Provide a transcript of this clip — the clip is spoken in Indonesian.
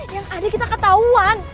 yang ada kita ketauan